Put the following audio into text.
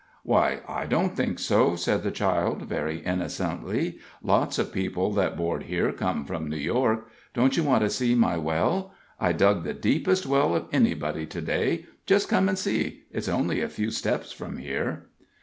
"Why, I don't think so," said the child, very innocently. "Lots of people that board here come from New York. Don't you want to see my well? I dug the deepest well of anybody to day. Just come and see it's only a few steps from here."